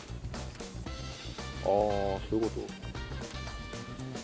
ああそういう事？